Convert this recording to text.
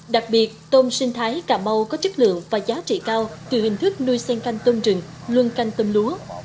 đặc biệt tôm sinh thái cà mau có chất lượng và giá trị cao từ hình thức nuôi sen canh tôm trừng luân canh tôm lúa